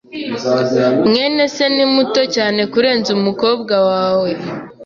mwene se ni muto cyane kurenza umukobwa wawe.